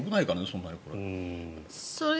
そんなにこれ。